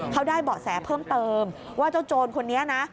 เขาได้เบาะแสเพิ่มเติมว่าเจ้าโจรคนนี้นะ